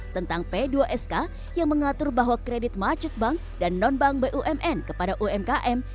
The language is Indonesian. tentang p dua sk yang mengatur bahwa kredit macet bank dan non bank bumn kepada umkm